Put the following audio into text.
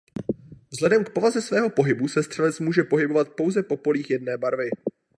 Vzhledem k povaze svého pohybu se střelec může pohybovat pouze po polích jedné barvy.